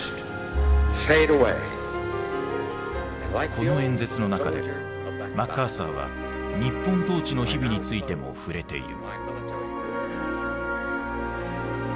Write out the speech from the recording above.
この演説の中でマッカーサーは日本統治の日々についても触れている。